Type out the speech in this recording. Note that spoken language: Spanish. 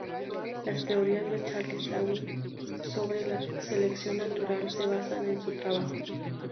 Las teorías de Charles Darwin sobre selección natural se basan en su trabajo.